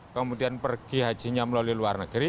kemudian pergi hajinya melalui luar negeri